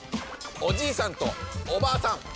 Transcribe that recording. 「おじいさん」と「おばあさん」。